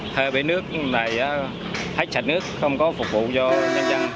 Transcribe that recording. thời bệnh nước này hết chặt nước không có phục vụ cho nhân dân